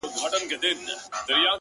• چي دي راوړې کیسه ناښاده ,